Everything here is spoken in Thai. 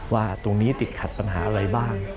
ว่าตรงนี้ติดขัดปัญหาอะไรบ้าง